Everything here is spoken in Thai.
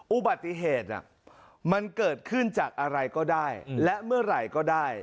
อุบัติเหตุมันเกิดขึ้นจากอะไรก็ได้และเมื่อไหร่ก็ได้